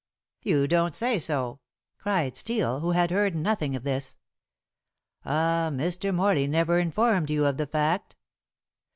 "You don't say so!" cried Steel, who had heard nothing of this. "Ah! Mr. Morley never informed you of the fact."